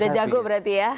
udah jago berarti ya